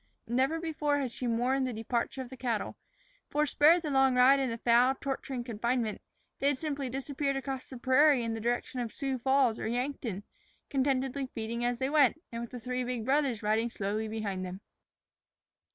Never before had she mourned the departure of the cattle, for, spared the long ride in foul, torturing confinement, they had simply disappeared across the prairie in the direction of Sioux Falls or Yankton, contentedly feeding as they went, and with the three big brothers riding slowly behind them.